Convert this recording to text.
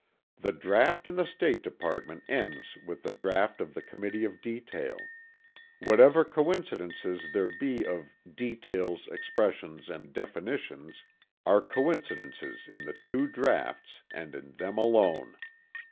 The draught in the State Department ends with the draught of the Committee of Detail; whatever coincidences there be of "details, expressions and definitions" are coincidences in the two draughts and in them alone.